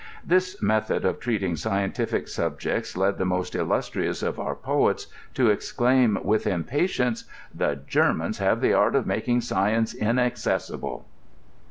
This method of treating scientific subjects led the most illustrious of our poets* to exclaim with impatience, "The Grermans have the art of making science inaccessible.